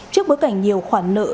trước bối cảnh nhiều khoản nợ